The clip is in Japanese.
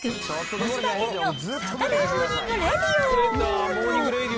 増田明美のサタデーモーニングレイディオ。